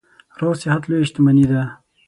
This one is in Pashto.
روغ صحت لویه شتنمي ده.